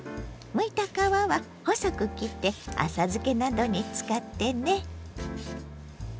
むいた皮は細く切って浅漬けなどに使ってね。